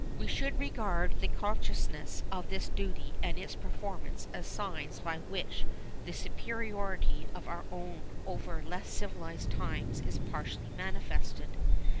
We should regard the consciousness of this duty and its performance as signs by which the superiority of our own over less civilised times is partly manifested.